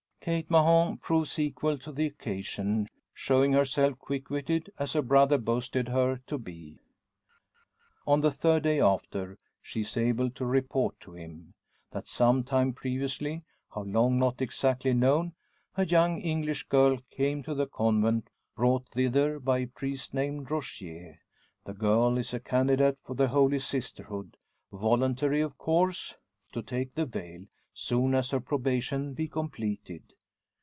Kate Mahon proves equal to the occasion; showing herself quick witted, as her brother boasted her to be. On the third day after, she is able to report to him; that some time previously, how long not exactly known, a young English girl came to the convent, brought thither by a priest named Rogier. The girl is a candidate for the Holy Sisterhood voluntary of course to take the veil, soon as her probation be completed.